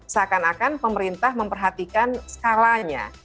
seakan akan pemerintah memperhatikan skalanya